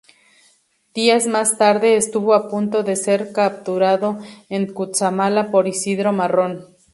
Días más tarde, estuvo a punto de ser capturado en Cutzamala por Isidro Marrón.